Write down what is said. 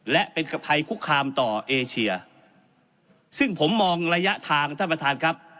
และเป็นกับภัยคุกคามต่อเอเชียซึ่งผมมองระยะทางท่านประธานครับ